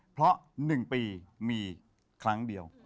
เพราะ๑ปีมีครั้งเดียว